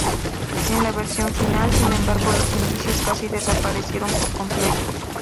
En la versión final, sin embargo, los indicios casi desaparecieron por completo.